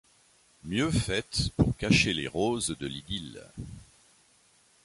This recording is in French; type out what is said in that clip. Mieux faite pour cacher les roses de l'idylle